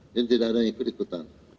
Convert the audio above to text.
gak ada yang berikut itu